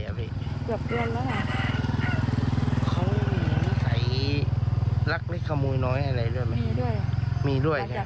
มีด้วยแต่จะเลิกกับหนูนะแต่ว่าเกือบหนูไม่มี